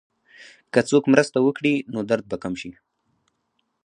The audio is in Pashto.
که څوک مرسته وکړي، نو درد به کم شي.